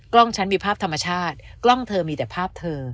ฉันมีภาพธรรมชาติกล้องเธอมีแต่ภาพเธอ